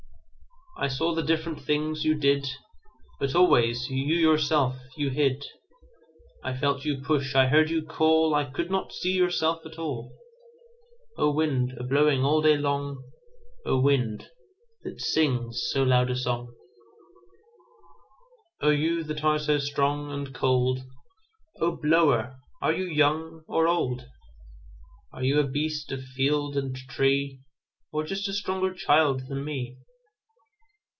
I saw the different things you did, But always you yourself you hid.I felt you push, I heard you call,I could not see yourself at all—O wind, a blowing all day long,O wind, that sings so loud a songO you that are so strong and cold,O blower, are you young or old? Are you a beast of field and tree, Or just a stronger child than me?